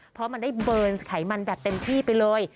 เพราะมันได้เบิร์นไขมันแบบเต็มที่ไปเลย